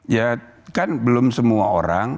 ya kan belum semua orang